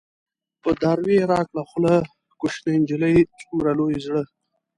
په دراوۍ يې راکړه خوله - کوشنی نجلۍ څومره لوی زړه